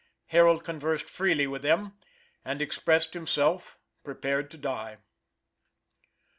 Harold conversed freely with them, and expressed himself prepared to die.